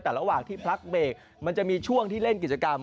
แต่ระหว่างที่พักเบรกมันจะมีช่วงที่เล่นกิจกรรม